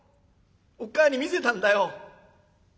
おっ母ぁに見せたんだよ。